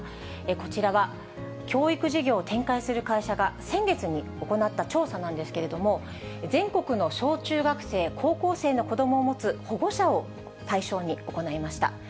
こちらは教育事業を展開する会社が先月に行った調査なんですけれども、全国の小中学生、高校生の子どもを持つ保護者を対象に行いました。